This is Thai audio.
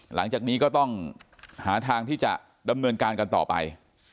หลังจากนี้ก็ต้องหาทางที่จะดำเนินการกันต่อไป